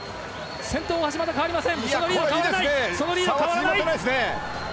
先頭はまだ変わりません。